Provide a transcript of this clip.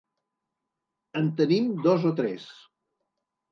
En tenim dos o tres.